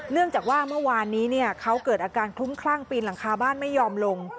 เนื่องจากว่าเมื่อวานนี้เขาเกิดอาการคลุ้มคลั่งปีนหลังคาบ้านไม่ยอมลง